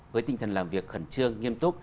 với tinh thần làm việc khẩn trương nghiêm túc